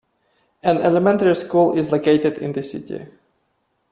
An elementary school is located in the city.